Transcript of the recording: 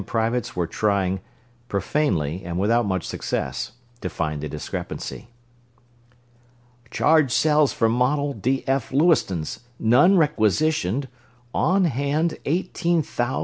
privates were trying, profanely, and without much success, to find the discrepancy. "Charged cells for model DF Lewistons, none requisitioned, on hand eighteen thous...."